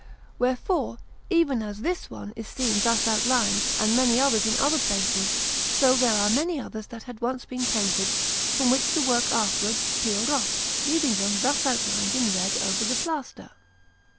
Wherefore, even as this one is seen thus outlined, and many others in other places, so there are many others that had once been painted, from which the work afterwards peeled off, leaving them thus outlined in red over the plaster.